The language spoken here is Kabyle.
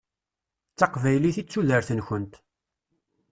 D taqbaylit i d tudert-nkent.